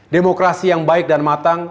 demokrasi yang baik dan matang